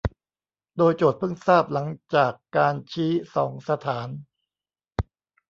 โดยโจทก์เพิ่งทราบหลังจากการชี้สองสถาน